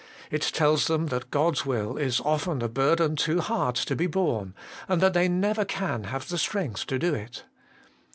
It tells them that God's will is often a burden too hard to be borne, and that they never can have the strength to do it.